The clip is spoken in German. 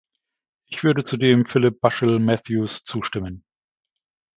Ich würde zudem Philip Bushill-Matthews zustimmen.